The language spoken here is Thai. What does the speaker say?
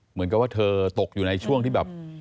เหมือนกับว่าเธอตกอยู่ในช่วงที่แบบ